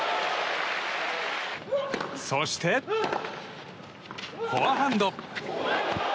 そしてフォアハンド！